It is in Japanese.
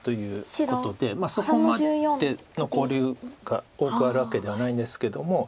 そこまでの交流が多くあるわけではないんですけども。